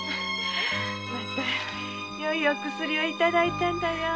またよいお薬をいただいたんだよ。